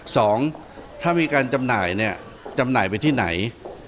สองถ้ามีการจำหน่ายเนี่ยจำหน่ายไปที่ไหน